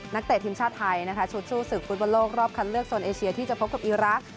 เตะทีมชาติไทยนะคะชุดสู้ศึกฟุตบอลโลกรอบคัดเลือกโซนเอเชียที่จะพบกับอีรักษ์